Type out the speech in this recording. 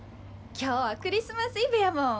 今日はクリスマスイブやもん。